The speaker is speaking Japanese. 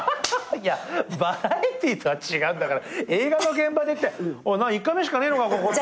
いやバラエティーとは違うんだから映画の現場で「１カメしかねえのかここ」って。